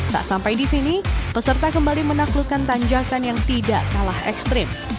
tak sampai di sini peserta kembali menaklukkan tanjakan yang tidak kalah ekstrim